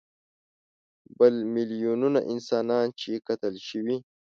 بل میلیونونه انسانان چې قتل شوي.